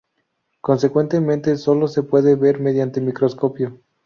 Consecuentemente solo se pueden ver mediante microscopio.